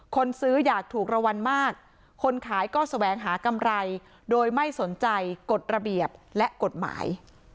คนซื้ออยากถูกรางวัลมากคนขายก็แสวงหากำไรโดยไม่สนใจกฎระเบียบและกฎหมาย